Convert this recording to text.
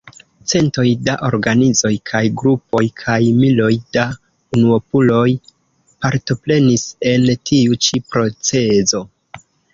Centoj da organizoj kaj grupoj kaj miloj da unuopuloj partoprenis en tiu ĉi procezo.